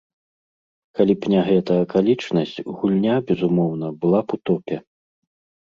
Калі б не гэта акалічнасць, гульня, безумоўна, была б у топе.